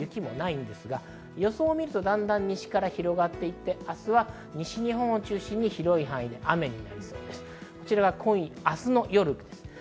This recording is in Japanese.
朝の段階、午前７時、新潟も含めて雨も雪もないですが予想を見ると、だんだん西から広がっていって、明日は西日本を中心に広い範囲で雨になりそうです。